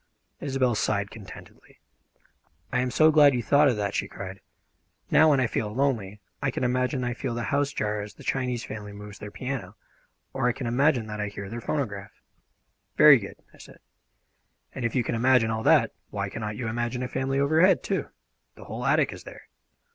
Isobel sighed contentedly. "I am so glad you thought of that!" she cried. "Now, when I feel lonely, I can imagine I feel the house jar as the Chinese family move their piano, or I can imagine that I hear their phonograph." "Very good," I said; "and if you can imagine all that, why cannot you imagine a family overhead, too? The whole attic is there.